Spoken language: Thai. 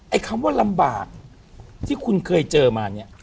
คำว่าลำบากที่คุณเคยเจอมาเนี่ย